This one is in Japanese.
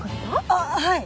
ああはい。